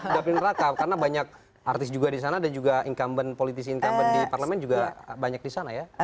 dapil neraka karena banyak artis juga di sana dan juga incumbent politisi incumbent di parlemen juga banyak di sana ya